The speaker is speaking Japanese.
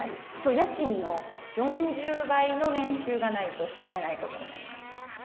家賃の４０倍の年収がないと住めないことになります。